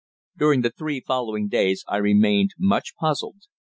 During the three following days I remained much puzzled.